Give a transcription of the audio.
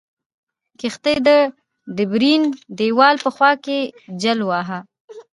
کښتۍ د ډبرین دیوال په خوا کې جل واهه.